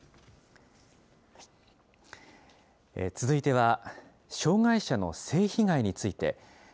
続いては、障害者の性被害について。